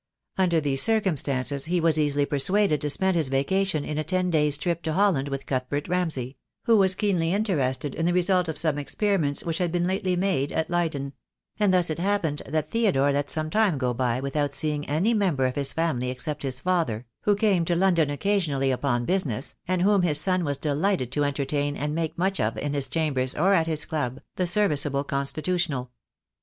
Under these circumstances he was easily persuaded to spend his vaca tion in a ten days' trip to Holland with Cuthbert Ramsay, who was keenly interested in the result of some experi ments which had lately been made at Leyden; and thus it happened that Theodore let some time go by without seeing any member of his family except his father, who came to London occasionally upon business, and whom his son was delighted to entertain and make much of in his chambers or at his club, the serviceable Constitu tional.